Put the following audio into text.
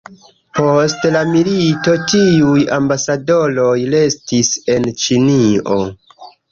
Post la milito, tiuj ambasadoroj restis en Ĉinio.